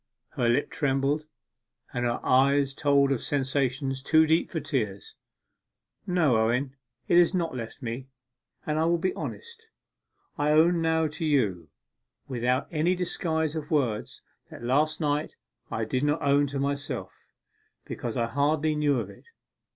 Her lip trembled; her eye told of sensations too deep for tears. 'No, Owen, it has not left me; and I will be honest. I own now to you, without any disguise of words, what last night I did not own to myself, because I hardly knew of it.